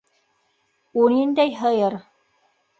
У ниндәй һыйыр?